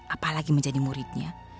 apalagi menjadi muridnya